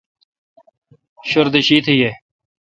شردہ شیتھ یے۔